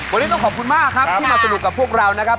วันนี้ต้องขอบคุณมากครับที่มาสนุกกับพวกเรานะครับ